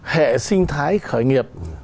hệ sinh thái khởi nghiệp